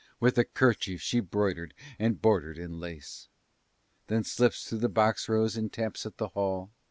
With the 'kerchief she broidered and bordered in lace; Then slips through the box rows and taps at the hall.